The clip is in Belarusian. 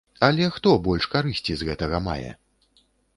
Але хто больш карысці з гэтага мае?